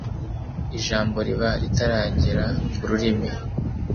ijambo riba ritarangera ku rurimi